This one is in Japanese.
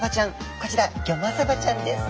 こちらギョマサバちゃんです。